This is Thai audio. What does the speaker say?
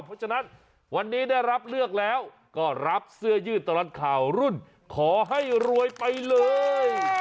เพราะฉะนั้นวันนี้ได้รับเลือกแล้วก็รับเสื้อยืดตลอดข่าวรุ่นขอให้รวยไปเลย